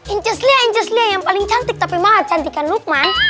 inci sedia inci sedia yang paling cantik tapi mahal cantik kan lukman